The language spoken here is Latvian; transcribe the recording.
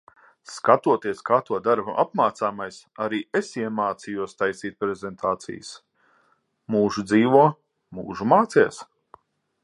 Skatoties, kā to dara apmācāmais, arī es iemācījos taisīt prezentācijas. Mūžu dzīvo, mūžu mācies.